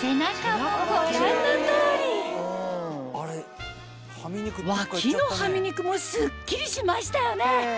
背中もご覧の通り脇のはみ肉もすっきりしましたよね